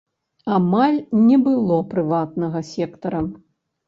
Амаль не было прыватнага сектара.